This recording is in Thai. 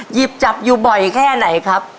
หยิบจับอยู่บ่อยแค่ไหนครับ